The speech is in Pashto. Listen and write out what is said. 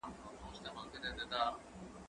زه اوس سبزېجات وچوم!